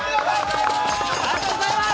ありがとうございます！